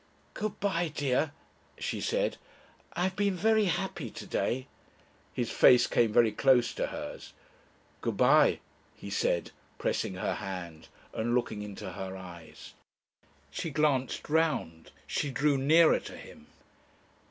"Good bye, dear," she said. "I have been very happy to day." His face came very close to hers. "Good bye," he said, pressing her hand and looking into her eyes. She glanced round, she drew nearer to him.